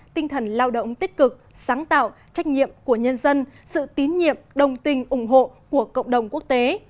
tinh thần lao động tích cực sáng tạo trách nhiệm của nhân dân sự tín nhiệm đồng tình ủng hộ của cộng đồng quốc tế